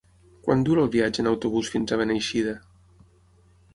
Quant dura el viatge en autobús fins a Beneixida?